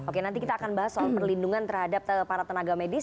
oke nanti kita akan bahas soal perlindungan terhadap para tenaga medis